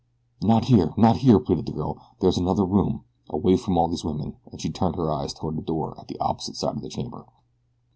"Not here! Not here!" pleaded the girl. "There is another room away from all these women," and she turned her eyes toward the door at the opposite side of the chamber.